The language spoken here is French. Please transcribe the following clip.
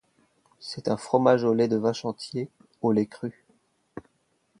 C'est un fromage au lait de vache entier, au lait cru.